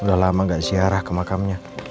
udah lama gak ziarah ke makamnya